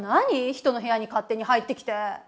人の部屋に勝手に入ってきて。